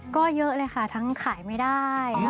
ก็เยอะเลยค่ะทั้งขายไม่ได้